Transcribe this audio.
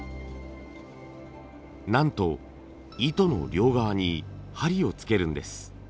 なんと糸の両側に針をつけるんです。